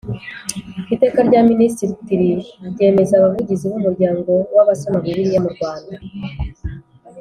Iteka rya Minisitiri ryemeza Abavugizi b Umuryango w Abasoma Bibiriya mu Rwanda